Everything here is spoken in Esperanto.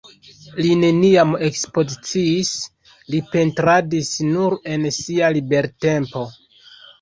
Li neniam ekspoziciis, li pentradis nur en sia libertempo.